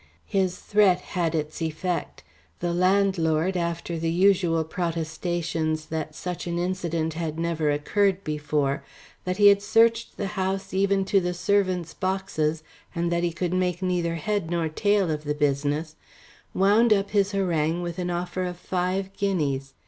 His threat had its effect. The landlord, after the usual protestations that such an incident had never occurred before, that he had searched the house even to the servants' boxes, and that he could make neither head nor tail of the business, wound up his harangue with an offer of five guineas.